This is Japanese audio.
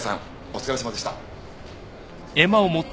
お疲れさまでした。